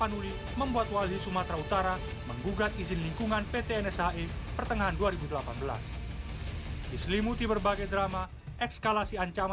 dengan dua dua triliun rupiah